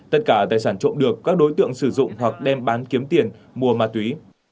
tất cả tài sản trộm được các đối tượng sử dụng hoặc đem bán kiếm tiền mua ma túy